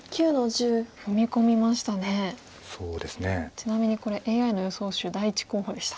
ちなみにこれＡＩの予想手第１候補でした。